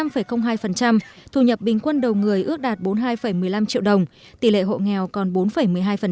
thu nhập bình quân đầu người ước đạt bốn mươi hai một mươi năm triệu đồng tỷ lệ hộ nghèo còn bốn một mươi hai